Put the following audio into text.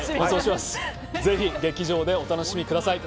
ぜひ劇場でお楽しみください。